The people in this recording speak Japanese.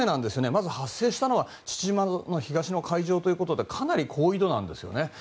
まず発生したのは父島の東の海上ということでかなり高緯度なんですよね。